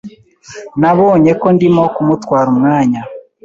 Nabonye ko ndimo kumutwara umwanya